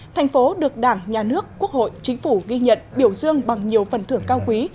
thành phố được đảng nhà nước quốc hội chính phủ ghi nhận biểu dương bằng nhiều phần thưởng cao quý